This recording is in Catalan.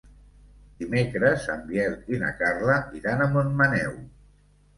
Dimecres en Biel i na Carla iran a Montmaneu.